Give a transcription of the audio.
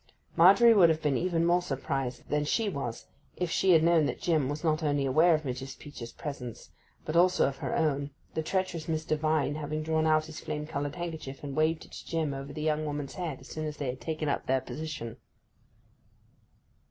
Margery would have been even more surprised than she was if she had known that Jim was not only aware of Mrs. Peach's presence, but also of her own, the treacherous Mr. Vine having drawn out his flame coloured handkerchief and waved it to Jim over the young woman's head as soon as they had taken up their position.